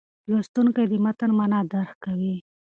لوستونکی د متن معنا درک کوي.